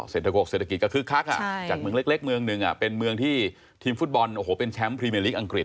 โกกเศรษฐกิจก็คึกคักจากเมืองเล็กเมืองหนึ่งเป็นเมืองที่ทีมฟุตบอลโอ้โหเป็นแชมป์พรีเมอร์ลีกอังกฤษ